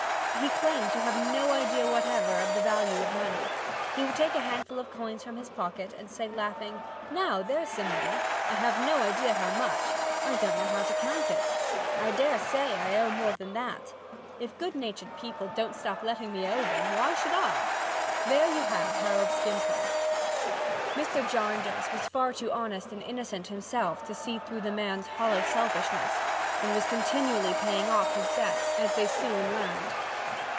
He claimed to have no idea whatever of the value of money. He would take a handful of coins from his pocket and say laughing, "Now, there's some money. I have no idea how much. I don't know how to count it. I dare say I owe more than that. If good natured people don't stop letting me owe them, why should I? There you have Harold Skimpole." Mr. Jarndyce was far too honest and innocent himself to see through the man's hollow selfishness and was continually paying his debts, as they soon learned.